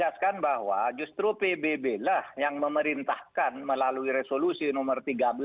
saya tegakkan bahwa justru pbb lah yang memerintahkan melalui resolusi nomor seribu tiga ratus tujuh puluh tiga